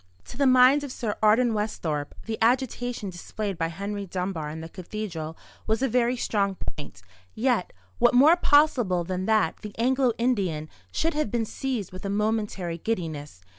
To the mind of Sir Arden Westhorpe the agitation displayed by Henry Dunbar in the cathedral was a very strong point; yet, what more possible than that the Anglo Indian should have been seized with a momentary giddiness?